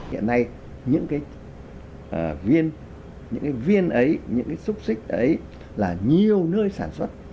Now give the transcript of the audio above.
hiện nay những cái viên ấy những cái xúc xích ấy là nhiều nơi sản xuất